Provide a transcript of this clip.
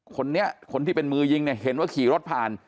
คนนี้คนที่เป็นมือยิงเนี่ยเห็นว่าขี่รถผ่าน